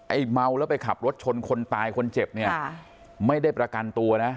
เมาแล้วไปขับรถชนคนตายคนเจ็บเนี่ยไม่ได้ประกันตัวนะ